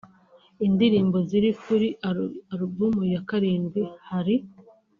Indirimbo ziri kuri iyi Album ya karindwi hari